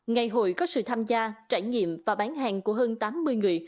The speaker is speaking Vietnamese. ngày hội có sự tham gia trải nghiệm và bán hàng của hơn tám mươi người